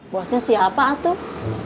bosnya siapa atuk